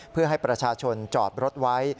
เพื่อให้ประชาชนจอดรถไว้